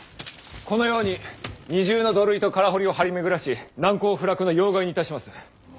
このように２重の土塁と空堀を張り巡らし難攻不落の要害にいたします。